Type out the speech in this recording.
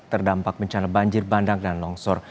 terdampak bencana banjir bandang dan longsor